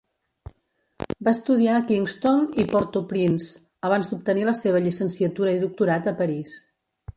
Va estudiar a Kingston i Port-au-Prince abans d'obtenir la seva llicenciatura i doctorat a París.